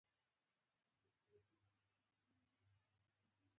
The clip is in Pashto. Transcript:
د M-تیوري یوولس ابعاد لري.